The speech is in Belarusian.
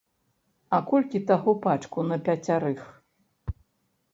А колькі таго пачку на пяцярых?